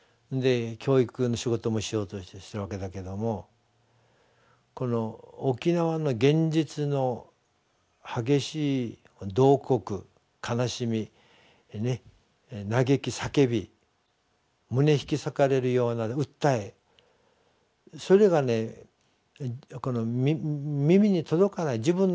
教育の仕事もしようとしてるわけだけどもこの沖縄の現実の激しい慟哭悲しみ嘆き叫び胸引き裂かれるような訴えそれがねこの耳に届かない。